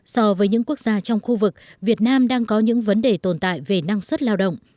so với những quốc gia trong khu vực việt nam đang có những vấn đề tồn tại về năng suất lao động